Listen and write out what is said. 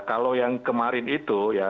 kalau yang kemarin itu ya